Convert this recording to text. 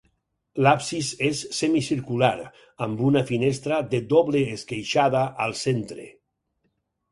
L'absis és semicircular amb una finestra de doble esqueixada al centre.